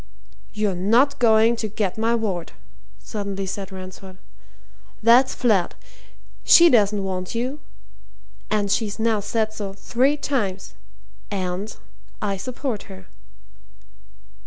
"You're not going to get my ward," suddenly said Ransford. "That's flat! She doesn't want you and she's now said so three times. And I support her."